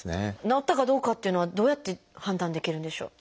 治ったかどうかっていうのはどうやって判断できるんでしょう？